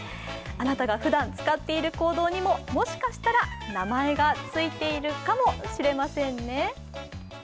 あなたがふだん使っている行動にも、もしかしたら名前がついているかもしれませんね。